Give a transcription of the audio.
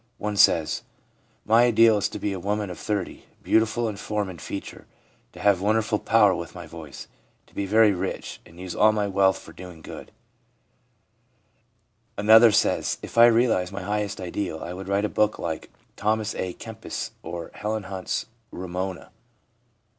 One says :' My ideal is to be a woman of 30, beauti ful in form and feature ; to have wonderful power with my voice; to be very rich, and use all my wealth for doing good/ Another says: 'If I realised my highest ideal, I would write a book like Thomas a Kempis or Helen Hunt's Ramona!